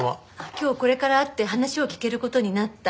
今日これから会って話を聞ける事になった。